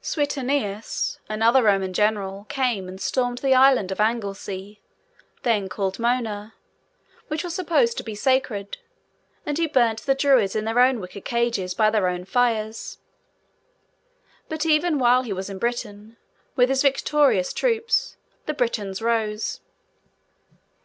Suetonius, another Roman general, came, and stormed the Island of Anglesey (then called Mona), which was supposed to be sacred, and he burnt the Druids in their own wicker cages, by their own fires. But, even while he was in Britain, with his victorious troops, the Britons rose.